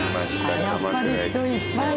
やっぱり人いっぱいいる。